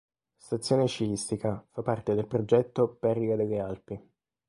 Stazione sciistica, fa parte del progetto Perle delle Alpi.